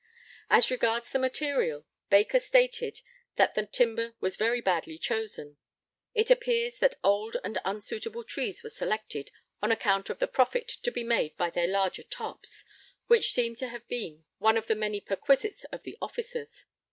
As regards the material, Baker stated that the timber was very badly chosen. It appears that old and unsuitable trees were selected on account of the profit to be made by their larger 'tops,' which seem to have been one of the many perquisites of the officers.